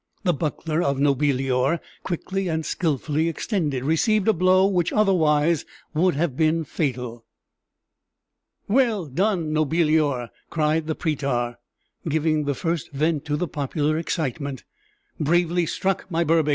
The buckler of Nobilior, quickly and skillfully extended, received a blow which otherwise would have been fatal. "Well done, Nobilior!" cried the prætor, giving the first vent to the popular excitement. "Bravely struck, my Berbix!"